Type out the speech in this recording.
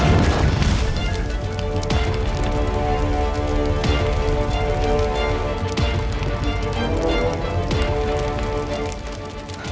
dia sudah mati